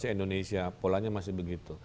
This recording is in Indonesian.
indonesia polanya masih begitu